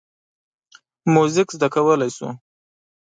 موزیک زده کولی شو.